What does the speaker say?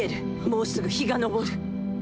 もうすぐ日が昇る